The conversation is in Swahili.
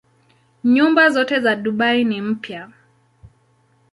Nyumba zote za Dubai ni mpya.